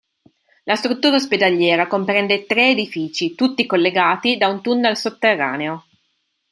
La struttura ospedaliera comprende tre edifici tutti collegati da un tunnel sotterraneo.